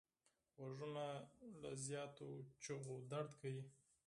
غوږونه له زیاتې چیغې درد کوي